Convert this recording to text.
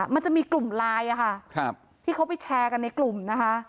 มันจะมีกลุ่มไลน์ค่ะที่เขาไปแชร์กันในกลุ่มนะคะ